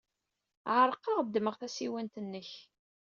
Ɛerqeɣ, ddmeɣ tasiwant-nnek.